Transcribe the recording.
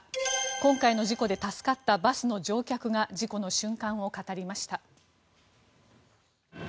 今回の事故で助かったバスの乗客が事故の瞬間を語りました。